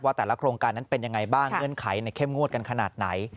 แต่ละโครงการนั้นเป็นยังไงบ้างเงื่อนไขในเข้มงวดกันขนาดไหน